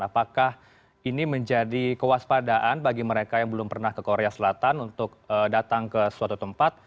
apakah ini menjadi kewaspadaan bagi mereka yang belum pernah ke korea selatan untuk datang ke suatu tempat